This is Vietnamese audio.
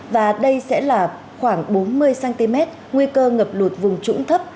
và đây sẽ là khoảng bốn mươi cm nguy cơ ngập lụt vùng trũng thấp